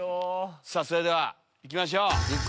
それでは行きましょう。